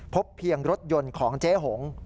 พบเพียงรถยนต์ของเจ๊หง